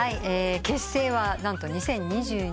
結成は何と２０２２年。